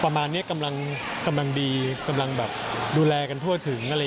ผมว่าตอนนี้เราประมาณนี้กำลังดูแลกันทั่วถึง